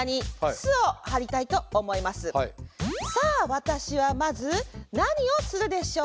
さあ私はまず何をするでしょうか？